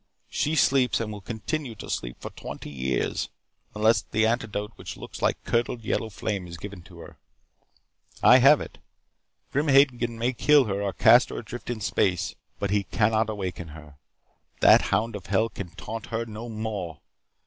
She sleeps and will continue to sleep for twenty years unless the antidote which looks like curdled yellow flame is given to her. I have it. Grim Hagen may kill her or cast her adrift in space, but he cannot awaken her. That hound of hell can taunt her no more.